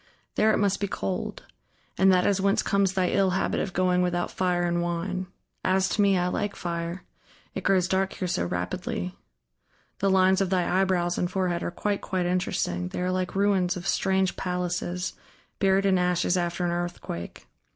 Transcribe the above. There it must be cold ... and that is whence comes thy ill habit of going without fire and wine. As to me, I like fire; it grows dark here so rapidly.... The lines of thy eyebrows and forehead are quite, quite interesting: they are like ruins of strange palaces, buried in ashes after an earthquake.